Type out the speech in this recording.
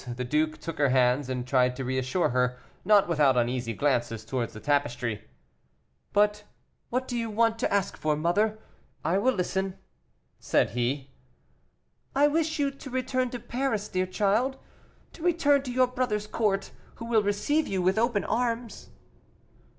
The duke took her hands, and tried to reassure her, not without uneasy glances towards the tapestry. "But what do you want or ask for, mother? I will listen," said he. "I wish you to return to Paris, dear child, to return to your brother's court, who will receive you with open arms."